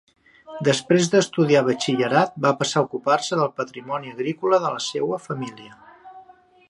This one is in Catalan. Després d'estudiar batxillerat va passar a ocupar-se del patrimoni agrícola de la seua família.